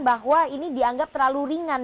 bahwa ini dianggap terlalu ringan